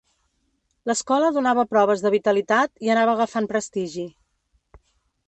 L'Escola donava proves de vitalitat i anava agafant prestigi.